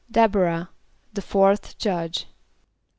=D[)e]b´o rah, the fourth judge.